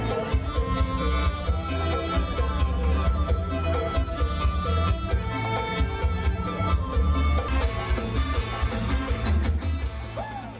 อ้าวอ้าว